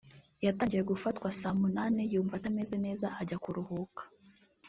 yatangiye gufatwa saa munani yumva atameze neza ajya kuruhuka